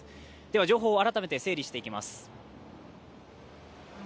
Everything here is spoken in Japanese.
情報を改めて整理していきます。